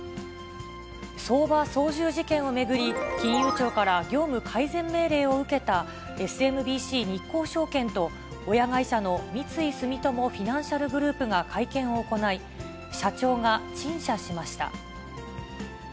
相場操縦事件を巡り、金融庁から業務改善命令を受けたＳＭＢＣ日興証券と、親会社の三井住友フィナンシャルグループが会見を行い、社長が陳謝しました。